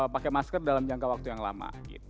pakai masker dalam jangka waktu yang lama